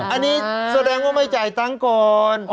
อันนี้แสดงว่าไม่จ่ายตังค์ก่อน